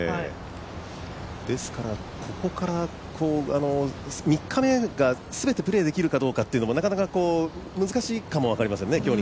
ですから、ここから３日目が全てプレーできるかというとなかなか難しいかも分かりませんね。